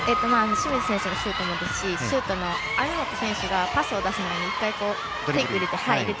清水選手のシュートもそうですし網本選手がパスを出す前に１回フェイクを入れて。